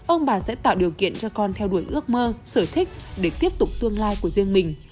ông bà sẽ tạo điều kiện cho con theo đuổi ước mơ sở thích để tiếp tục tương lai của riêng mình